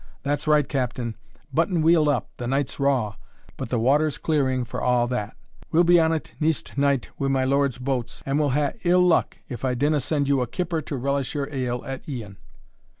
That's right, Captain, button weel up, the night's raw but the water's clearing for a' that; we'll be on't neist night wi' my Lord's boats, and we'll hae ill luck if I dinna send you a kipper to relish your ale at e'en."